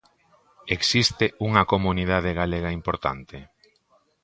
Existe unha comunidade galega importante?